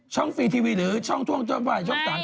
ช่องฟรีทีวีช่องท่วงต้วงไฟหรือช่องทาง๗